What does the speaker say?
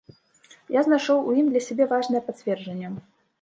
Я знайшоў у ім для сябе важнае пацверджанне.